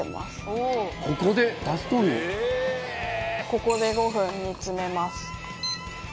ここで５分煮詰めます